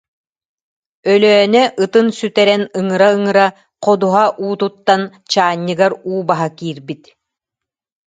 Өлөөнө ытын сүтэрэн ыҥыра-ыҥыра ходуһа уутуттан чаанньыгар уу баһа киирбит